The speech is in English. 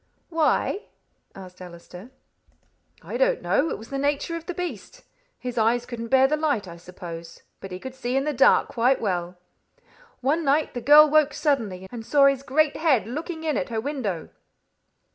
"Why?" asked Allister. "I don't know. It was the nature of the beast. His eyes couldn't bear the light, I suppose; but he could see in the dark quite well. One night the girl woke suddenly, and saw his great head looking in at her window."